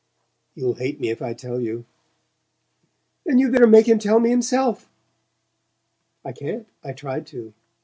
"You'll hate me if I tell you." "Then you'd better make him tell me himself!" "I can't. I tried to.